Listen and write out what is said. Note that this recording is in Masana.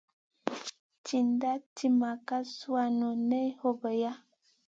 Cina timma ka suanu nen hobeya.